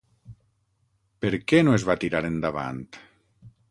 Per què no es va tirar endavant?